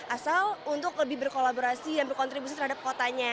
asal untuk lebih berkolaborasi dan berkontribusi terhadap kotanya